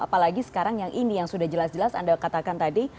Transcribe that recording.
apalagi sekarang yang ini yang sudah jelas jelas anda katakan tadi